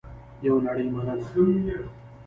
یوه نړۍ مننه